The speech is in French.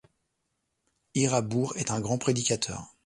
Hiraboure est un grand prédicateur.